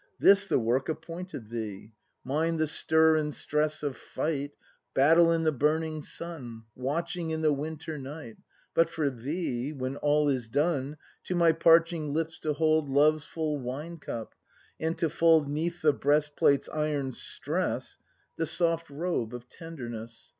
This the work appointed thee: Mine the stir and stress of fight, Battle in the burning sun, Watching in the wiilter night; But for thee, when all is done. To my parching lips to hold Love's full wine cup, and to fold 'Neath the breastplate's iron stress The soft robe of tenderness.